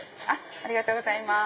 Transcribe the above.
ありがとうございます。